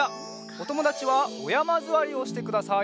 おともだちはおやまずわりをしてください。